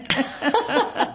ハハハハ。